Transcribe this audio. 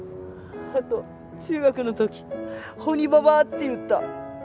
あと中学の時鬼ババアって言った。